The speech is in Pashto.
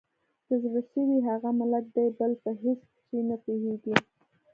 د زړه سوي هغه ملت دی بل په هیڅ چي نه پوهیږي